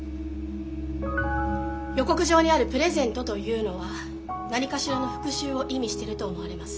予告状にある「プレゼント」というのは何かしらの復讐を意味してると思われます。